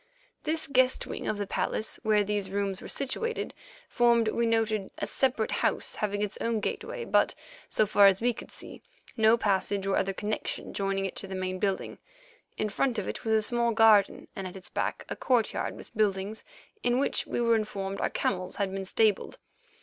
This guest wing of the palace, where these rooms were situated, formed, we noted, a separate house, having its own gateway, but, so far as we could see, no passage or other connection joining it to the main building. In front of it was a small garden, and at its back a courtyard with buildings, in which we were informed our camels had been stabled.